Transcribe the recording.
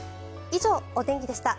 以上、お天気でした。